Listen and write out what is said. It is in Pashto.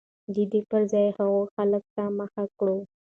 د دوى پر ځاى هغو خلكو ته مخه كړه